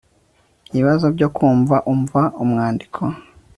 ibibazo byo kumva umva umwandiko